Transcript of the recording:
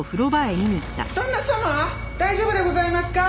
大丈夫でございますか？